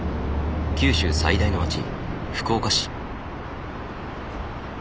九州最大の街福岡市。